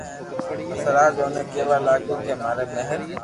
پسي راج اوني ڪيوا لاگيو ڪي ماري مھل